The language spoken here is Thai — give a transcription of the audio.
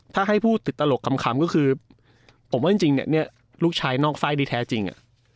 ถ้าให้พูดตลกคำก็คือผมว่าลูกชายนอกไส้ดีแท้จริง